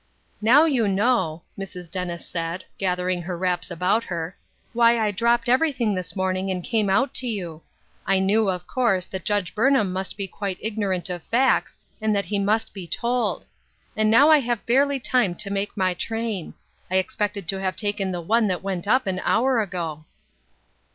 " Now you know, " Mrs. Dennis said, gathering her wraps about her, " why I dropped everything UNWELCOME RESPONSIBILITIES. 45 this morning and came out to you. I knew, of course, that Judge Burnham must be quite igno rant of facts, and that he must be told. And now I have barely time to make my train ; I expected to have taken the one that went up an hour ago."